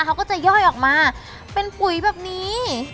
เขาก็จะย่อยออกมาเป็นปุ๋ยแบบนี้